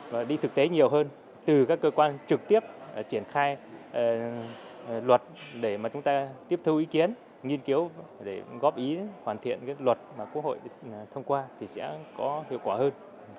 và đi thực tế nhiều hơn từ các cơ quan trực tiếp triển khai luật để mà chúng ta tiếp thu ý kiến nghiên cứu để góp ý hoàn thiện cái luật mà quốc hội thông qua thì sẽ có hiệu quả hơn